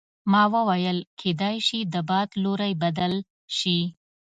ما وویل کیدای شي د باد لوری بدل شي.